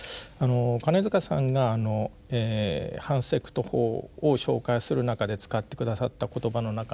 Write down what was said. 金塚さんが反セクト法を紹介する中で使って下さった言葉の中にですね